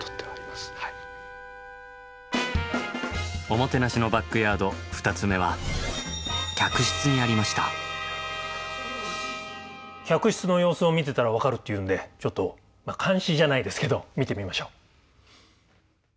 おもてなしのバックヤード２つ目は客室の様子を見てたら分かるっていうんでちょっと監視じゃないですけど見てみましょう。